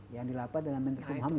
yang dilapas dengan mentretum ham juga